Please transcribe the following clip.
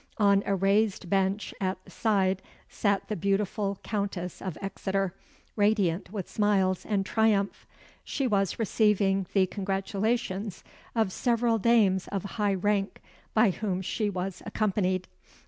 On a raised bench at the side sat the beautiful Countess of Exeter, radiant with smiles and triumph. She was receiving the congratulations of several dames of high rank by whom she was accompanied.